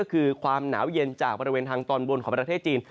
ก็คือความหนาวเย็นจากบริเวณทางตอนบนของประเทศจีน